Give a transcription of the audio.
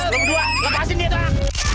hei lo berdua lepasin dia bang